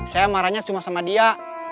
saya marahnya cuma sama dia